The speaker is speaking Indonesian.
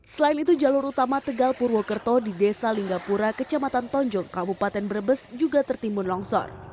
selain itu jalur utama tegal purwokerto di desa linggapura kecamatan tonjong kabupaten brebes juga tertimbun longsor